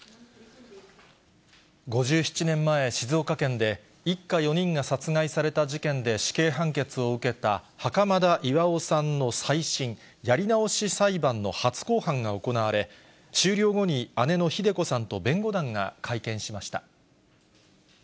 ５７年前、静岡県で一家４人が殺害された事件で死刑判決を受けた、袴田巌さんの再審・やり直し裁判の初公判が行われ、終了後に姉のひで子さんと弁護団が会見しました。